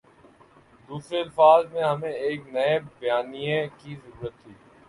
دوسرے الفاظ میں ہمیں ایک نئے بیانیے کی ضرورت تھی۔